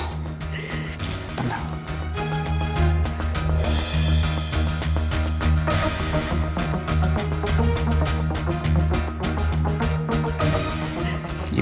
lo tenang dulu sekarang ya